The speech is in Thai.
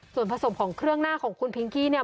ส่วนผสมของเครื่องหน้าของคุณพิงกี้เนี่ย